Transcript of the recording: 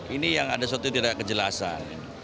ini yang ada suatu tidak kejelasan